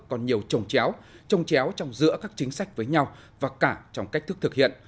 còn nhiều trồng chéo trồng chéo trong giữa các chính sách với nhau và cả trong cách thức thực hiện